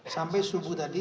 sampai subuh tadi